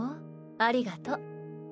ありがと。